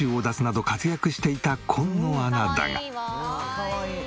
かわいい。